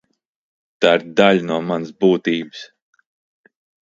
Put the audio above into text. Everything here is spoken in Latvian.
Tā ir daļa no manas būtības.